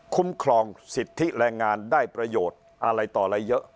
คุ้มครองสิทธิแรงงานได้ประโยชน์อะไรต่ออะไรเยอะ